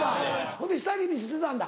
ほんで下着見せてたんだ。